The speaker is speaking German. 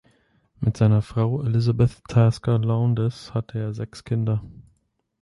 Mit seiner Frau Elizabeth Tasker Lowndes hatte er sechs Kinder.